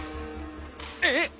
えっ！？